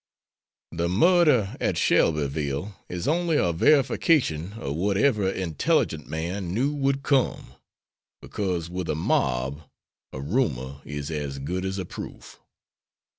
The murder at Shelbyville is only a verification of what every intelligent man knew would come, because with a mob a rumor is as good as a proof.